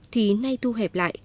thì nay thu hẹp lại